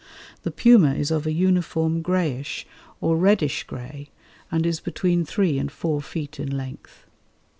The puma is of a uniform greyish or reddish grey, and is between three and four feet in length.